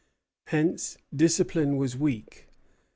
Hence discipline was weak.